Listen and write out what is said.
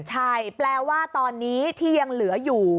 ใช่แปลว่าตอนนี้ที่ยังเหลืออยู่